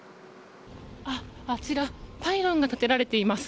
あちらパイロンが立てられています。